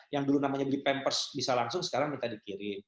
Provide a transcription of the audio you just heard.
yang dulu namanya beli pampers bisa langsung sekarang minta dikirim